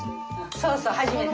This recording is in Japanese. そうそう初めて。